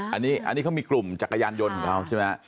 อันนี้เขามีกลุ่มจักรยานยนต์ของเขาใช่ไหม